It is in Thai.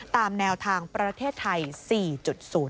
ตามแนวทางประเทศไทย๔๐